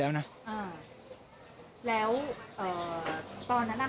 แล้วตอนนั้นค่ะผู้ทดสารเป็นยังไงบ้าง